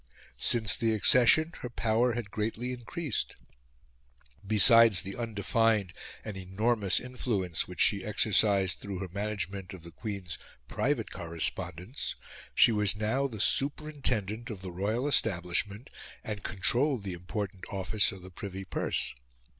Since the accession, her power had greatly increased. Besides the undefined and enormous influence which she exercised through her management of the Queen's private correspondence, she was now the superintendent of the royal establishment and controlled the important office of Privy Purse.